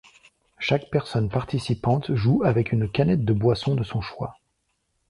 Chaque personne participante joue avec une canette de boisson de son choix.